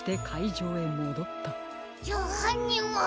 じゃあはんにんは。